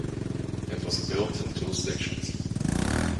It was built in two sections.